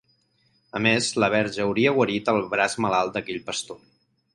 A més la Verge hauria guarit el braç malalt d’aquell pastor.